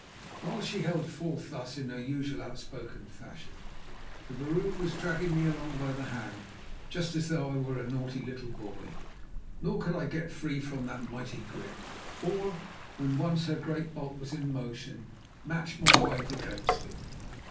While she held forth thus in her usual outspoken fashion, the vrouw was dragging me along by the hand, just as though I were a naughty little boy. Nor could I get free from that mighty grip, or, when once her great bulk was in motion, match my weight against it.